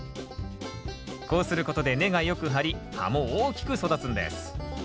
こうすることで根がよく張り葉も大きく育つんです。